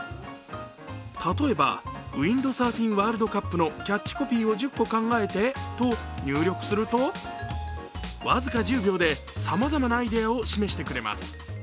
例えば、「ウインドサーフィンワールドカップのキャッチコピーを１０個考えて」と入力すると僅か１０秒でさまざまなアイデアを示してくれます。